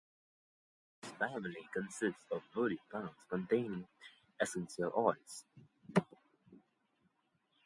This family consists of woody plants, containing essential oils.